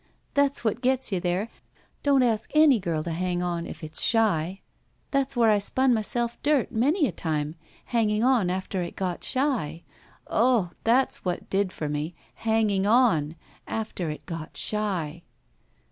That's what gets you there. Don't ask any girl to hang on if it's shy. That's where I spun my self dirt many a time, hanging on after it got shy. Ugh! That's what did for me — Changing on — ^after it got shy."